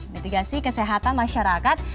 mitigasi kesehatan masyarakat